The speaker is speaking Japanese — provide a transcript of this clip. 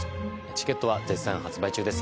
チケットは絶賛発売中です